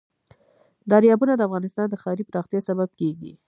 دریابونه د افغانستان د ښاري پراختیا سبب کېږي.